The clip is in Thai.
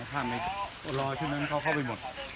สวัสดีครับทุกคน